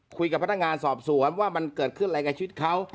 คุยกับพนักงานสอบสวนว่ามันเกิดขึ้นอะไรกับชีวิตเขา